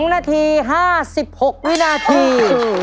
๒นาที๕๖วินาที